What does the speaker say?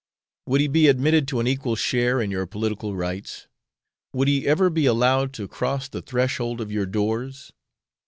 Would he be admitted to an equal share in your political rights? would he ever be allowed to cross the threshold of your doors?